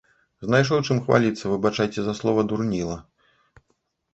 Знайшоў чым хваліцца, выбачайце за слова, дурніла.